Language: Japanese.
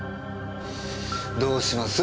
どうします？